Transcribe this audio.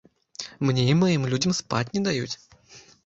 Мне і маім людзям спаць не даюць.